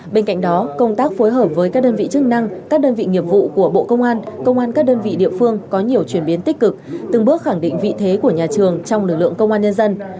bên cạnh đó công tác phối hợp với các đơn vị chức năng các đơn vị nghiệp vụ của bộ công an công an các đơn vị địa phương có nhiều chuyển biến tích cực từng bước khẳng định vị thế của nhà trường trong lực lượng công an nhân dân